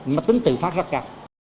mà tính tự phát rất cặp